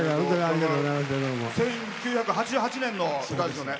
１９８８年の歌ですよね。